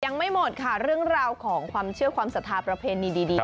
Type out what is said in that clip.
ยังไม่หมดค่ะเรื่องราวของความเชื่อความศรัทธาประเพณีดี